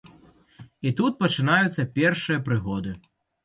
І тут пачынаюцца першыя прыгоды.